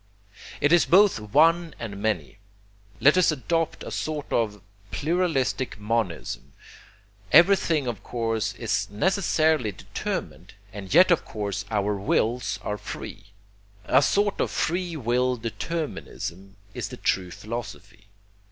It is both one and many let us adopt a sort of pluralistic monism. Everything of course is necessarily determined, and yet of course our wills are free: a sort of free will determinism is the true philosophy.